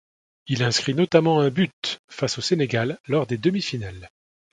Il inscrit notamment un but face au Sénégal lors des demi-finales.